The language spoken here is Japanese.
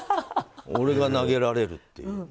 俺が投げられるっていう。